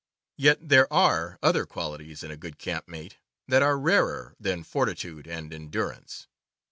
Yet there are other qualities in a good camp mate that are rarer than fortitude and endurance.